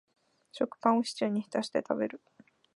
食パンをシチューに浸して食べる